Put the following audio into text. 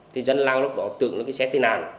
thì dân lạng nó bỏ tượng nó cái xe tên nàn